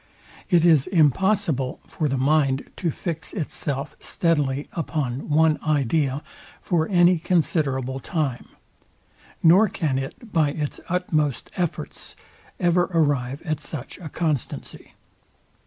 It is impossible for the mind to fix itself steadily upon one idea for any considerable time; nor can it by its utmost efforts ever arrive at such a constancy.